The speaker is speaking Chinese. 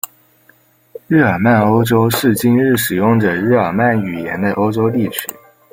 日耳曼欧洲是今日使用着日耳曼语言的欧洲地区。